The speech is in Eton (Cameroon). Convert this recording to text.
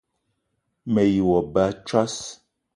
Me ye wo ba a tsos